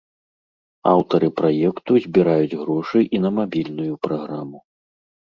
Аўтары праекту збіраюць грошы і на мабільную праграму.